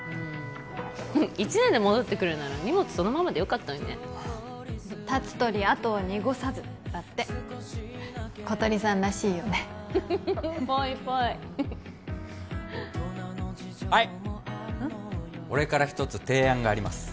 うん１年で戻ってくるなら荷物そのままでよかったのにね立つ鳥跡を濁さずだって小鳥さんらしいよねっぽいっぽいはい俺から一つ提案があります